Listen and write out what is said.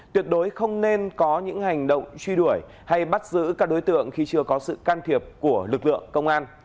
tuyệt đối không nên có những hành động truy đuổi hay bắt giữ các đối tượng khi chưa có sự can thiệp của lực lượng công an